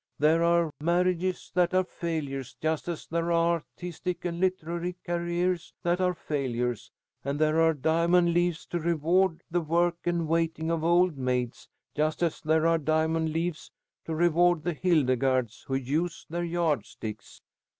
There are marriages that are failures just as there are artistic and literary careers that are failures, and there are diamond leaves to reward the work and waiting of old maids, just as there are diamond leaves to reward the Hildegardes who use their yardsticks.